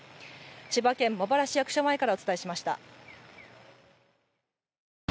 千葉県、茂原市役所前からお伝えしました。